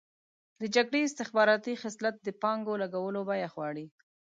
د جګړې استخباراتي خصلت د پانګو لګولو بیه غواړي.